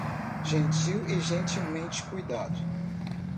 Gentil e gentilmente cuidado